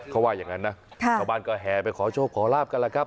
เขาว่าอย่างนั้นนะชาวบ้านก็แห่ไปขอโชคขอลาบกันแล้วครับ